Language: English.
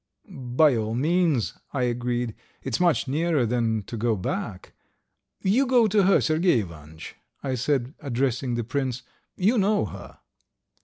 Ha ha ... he he !" "By all means," I agreed. "It's much nearer than to go back. ... You go to her, Sergey Ivanitch," I said, addressing the prince. "You know her."